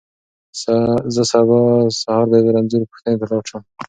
زه به سبا سهار د رنځور پوښتنې ته لاړ شم.